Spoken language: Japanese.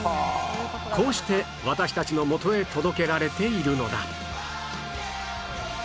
こうして私たちの元へ届けられているのだ